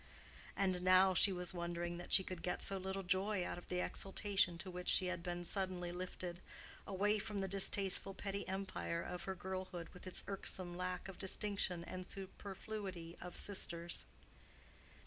And now she was wondering that she could get so little joy out of the exaltation to which she had been suddenly lifted, away from the distasteful petty empire of her girlhood with its irksome lack of distinction and superfluity of sisters.